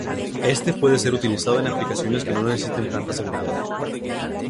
Éste puede ser utilizado en aplicaciones que no necesiten tanta seguridad.